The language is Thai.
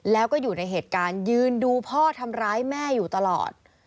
แล้วก็อยู่ในเหตุการณ์ยืนดูพ่อทำร้ายแม่อยู่ตลอด